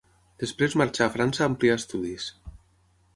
Després marxà a França a ampliar estudis.